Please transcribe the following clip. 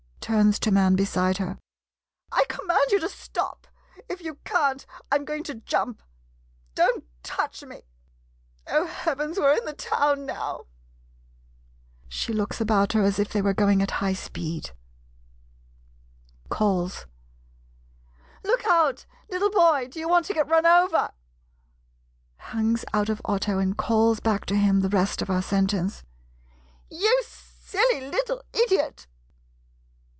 [Turns to man beside her.] I command you to stop! If you can't, I 'm going to jump. Don't touch me! Oh, heavens, we 're in the town now. [She looks about her, as if they were going at high speed.] 66 THEIR LAST RIDE TOGETHER [Calls.] Look out, little boy — do you want to get run over— [Hangs out of auto and calls back to him the rest of her sentence.] — you silly little idiot!